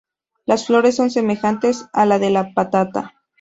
Las flores son semejantes a la de la patata.